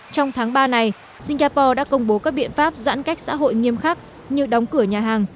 trong tháng ba này singapore đã công bố các biện pháp giãn cách xã hội nghiêm khắc như đóng cửa nhà hàng